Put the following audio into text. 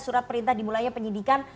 surat perintah dimulainya penyidikan